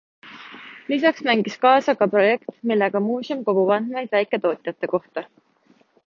Lisaks mängis kaasa ka projekt, millega muuseum kogub andmeid väiketootjate kohta.